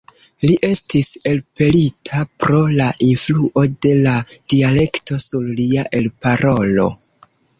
Li estis elpelita, pro la influo de la dialekto sur lia elparolo.